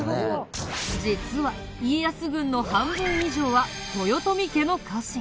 実は家康軍の半分以上は豊臣家の家臣。